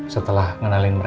setelah ngenalin mereka